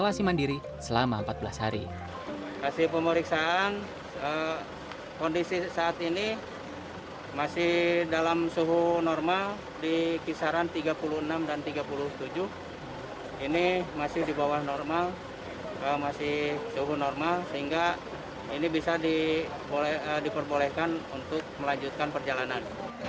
masih di bawah normal masih suhu normal sehingga ini bisa diperbolehkan untuk melanjutkan perjalanan